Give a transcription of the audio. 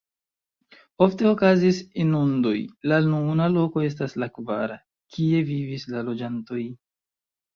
Ofte okazis inundoj, la nuna loko estas la kvara, kie vivis la loĝantoj.